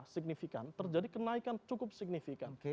signifikan terjadi kenaikan cukup signifikan